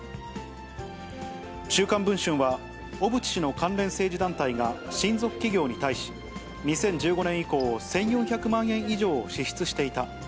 週刊文春は、小渕氏の関連政治団体が、親族企業に対し、２０１５年以降、１４００万円以上を支出していた。